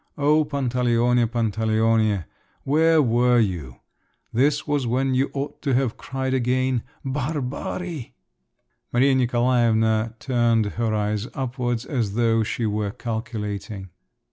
O Pantaleone, Pantaleone, where were you! This was when you ought to have cried again, "Barbari!" Maria Nikolaevna turned her eyes upwards as though she were calculating.